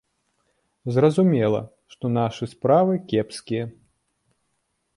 Зразумела, што нашы справы кепскія.